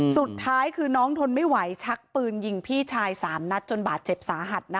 สุดท้ายคือน้องทนไม่ไหวชักปืนยิงพี่ชาย๓นัดจนบาดเจ็บสาหัสนะ